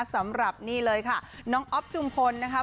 สำหรับนี่เลยค่ะน้องอ๊อฟจุมพลนะคะ